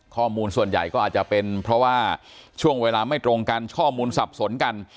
ข้อมูลส่วนใหญ่ก็อาจจะเป็นเพราะว่าช่วงเวลาไม่ตรงกันข้อมูลสับสนกัน